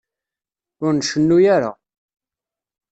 Ur ncennu ara.